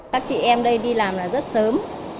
các chị em đây đi làm là rất sớm